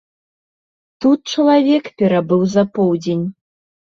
Тут чалавек перабыў за поўдзень.